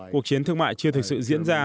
cuộc chiến thương mại chưa thực sự diễn ra